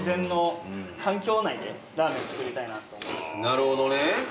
なるほどね。